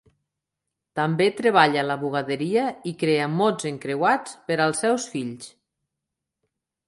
També treballa a la bugaderia i crea mots encreuats per als seus fills.